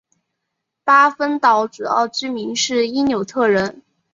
巴芬岛主要居民是因纽特人。